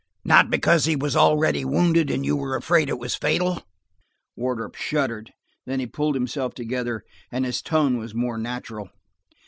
"Not–because he was already wounded, and you were afraid it was fatal?" Wardrop shuddered; then he pulled himself together, and his tone was more natural.